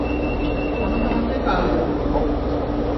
আমি তোমাকে কাল দেব।